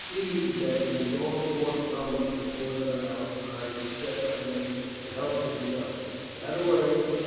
See that it is all forthcoming in a quarter of an hour, or I shall set my men to help themselves. Not a word!